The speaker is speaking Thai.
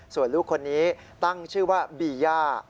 ส่วนลูกคนนี้ตั้งชื่อว่าบีย่า